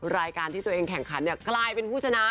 รายการที่ตัวเองแข่งขันเนี่ยกลายเป็นผู้ชนะ